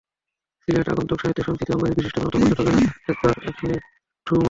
সিলেটে আগন্তুক সাহিত্য-সংস্কৃতি অঙ্গনের বিশিষ্টজন অথবা পর্যটকেরা একবার এখানে ঢুঁ মারেন।